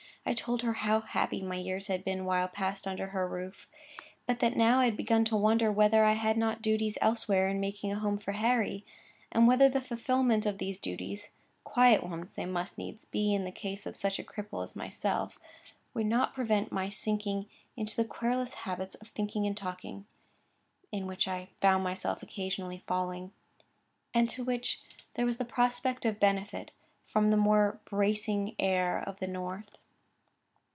I told her how happy my years had been while passed under her roof; but that now I had begun to wonder whether I had not duties elsewhere, in making a home for Harry,—and whether the fulfilment of these duties, quiet ones they must needs be in the case of such a cripple as myself, would not prevent my sinking into the querulous habit of thinking and talking, into which I found myself occasionally falling. Add to which, there was the prospect of benefit from the more bracing air of the north.